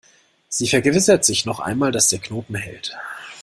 Sie vergewissert sich noch einmal, dass der Knoten hält.